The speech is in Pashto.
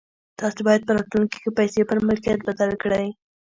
تاسې بايد په راتلونکي کې پيسې پر ملکيت بدلې کړئ.